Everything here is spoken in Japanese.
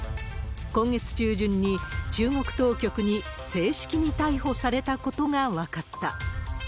今月中旬に、中国当局に正式に逮捕されたことが分かった。